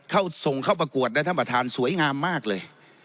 ส่งเข้าประกวดนะท่านประธานสวยงามมากเลย